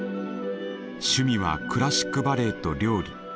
趣味はクラシックバレエと料理。